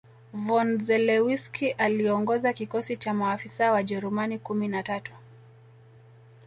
von Zelewski aliongoza kikosi cha maafisa Wajerumani kumi na tatu